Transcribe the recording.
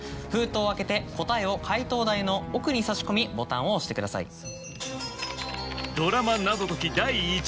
封筒を開けて答えを解答台の奥に差し込みボタンを押してください。